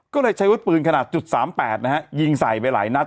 ก็เลยใช้วุฒิปืนขนาด๓๘นะฮะยิงใส่ไปหลายนัด